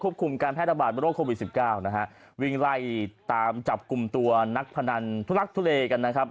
คุมการแพร่ระบาดโรคโควิดสิบเก้านะฮะวิ่งไล่ตามจับกลุ่มตัวนักพนันทุลักทุเลกันนะครับ